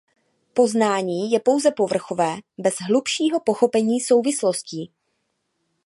Poznání je pouze povrchové bez hlubšího pochopení souvislostí.